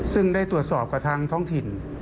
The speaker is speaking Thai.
ซึ่งได้ตรวจสอบกับทางท้องถิ่น